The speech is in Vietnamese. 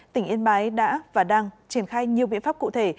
tỉnh yên bái đã và đang triển khai nhiều biện pháp cụ thể